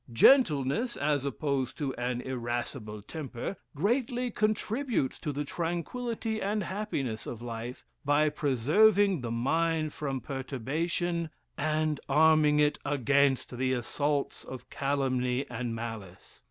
"Gentleness, as opposed to an irrascible temper, greatly contributes to the tranquillity and happiness of life, by preserving the mind from perturbation, and arming it against the assaults of calumny and malice.